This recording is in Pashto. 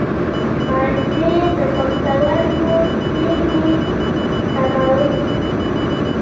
مالټې د پښتورګو تیږې کموي.